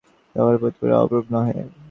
তাঁহার অভিপ্রায় এরূপ নহে।